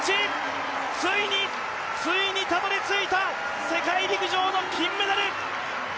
ついに、ついにたどりついた世界陸上の金メダル！